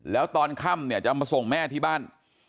แล้วตอนค่ำเนี่ยจะมาส่งแม่ที่บ้าน